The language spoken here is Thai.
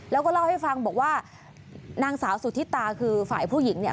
แล้วก็เล่าให้ฟังบอกว่านางสาวสุธิตาคือฝ่ายผู้หญิงเนี่ย